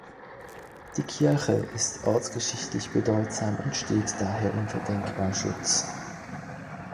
Die Kirche ist ortsgeschichtlich bedeutsam und steht daher unter Denkmalschutz.